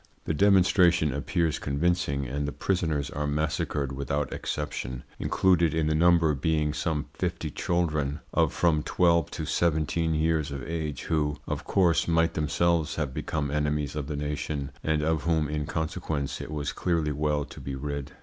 The demonstration appears convincing, and the prisoners are massacred without exception, included in the number being some fifty children of from twelve to seventeen years of age, who, of course, might themselves have become enemies of the nation, and of whom in consequence it was clearly well to be rid.